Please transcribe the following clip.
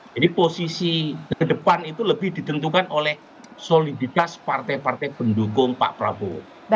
jadi posisi kedepan itu lebih ditentukan oleh soliditas partai partai pendukung pak prabowo